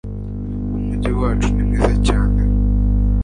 umujyi wacu nimwiza cyane